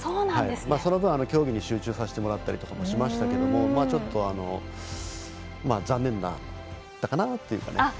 その分競技に集中させてもらったりとかもしましたけれどもちょっと残念だったかなとね。